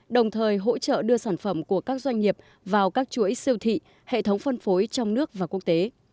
đồng thời hỗ trợ đưa sản phẩm của các doanh nghiệp vào các chuỗi siêu thị hệ thống phân phối trong nước và quốc tế